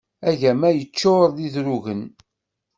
Agama yeččur d idrugen.